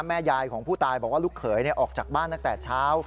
แม่ยายของผู้ตายบอกว่าลูกเขยออกจากบ้านตั้งแต่เช้า